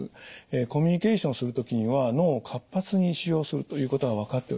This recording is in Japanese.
コミュニケーションする時には脳を活発に使用するということが分かっております。